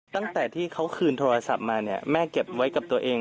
ตั้งแต่ที่เขาคืนโทรศัพท์มาเนี่ยแม่เก็บไว้กับตัวเอง